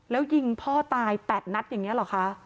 แล้วยิงพ่อตาย๘นัดอย่างนี้เหรอคะ